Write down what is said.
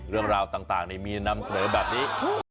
เรื่องราวต่างนี่มีแนะนำเสริมแบบนี้